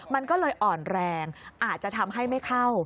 มันก็เลยอ่อนแรงอาจจะทำให้ไม่เข้า